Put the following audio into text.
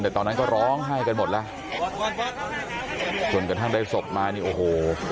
แต่ตอนนั้นก็ร้องไห้กันหมดแล้วจนกระทั่งได้ศพมานี่โอ้โห